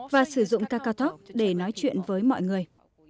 và sử dụng kakatok để nói chuyện với mọi người